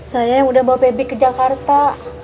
saya yang udah bawa pebik ke jakarta